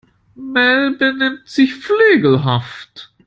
Mel benimmt sich flegelhaft.